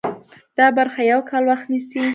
دا برخه یو کال وخت نیسي.